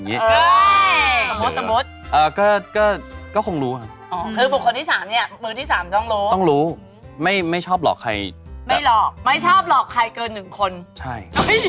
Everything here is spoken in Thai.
เดี๋ยวก็ต้องเล่นกลับมาใหม่อยู่ดี